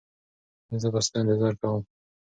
زه به ستا انتظار کوم.